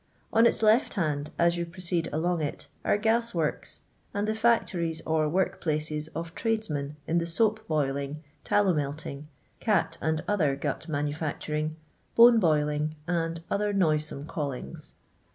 On its left hand, as you proceed along it, are gas worki^ and the factories, or work places, of tradesmen in tha soap boiling, tallow melting, cat and other gut manufacturing, bone boiling, and other noisome callings.